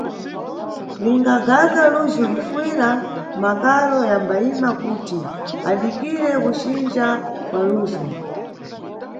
Lingagaka lujhu lifuyira makaro yambayima kuti adikire kucinja kwa lujhu.